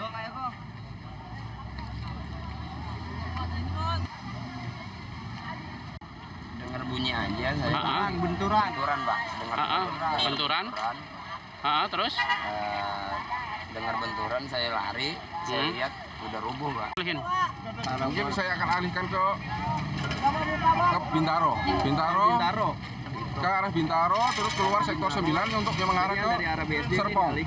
ke arah bintaro terus keluar sektor sembilan untuk yang mengarah ke serpong